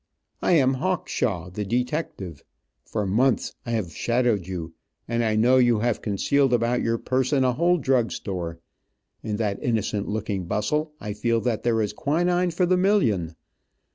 I am Hawkshaw, the detective. For months I have shadowed you, and I know you have concealed about your person a whole drug store. In that innocent looking bustle I feel that there is quinine for the million.